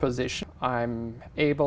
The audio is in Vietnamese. ở việt nam